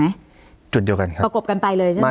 เหรอคุณคริสถูกไหมจุดเดียวกันครับประกบกันไปเลยใช่ไหม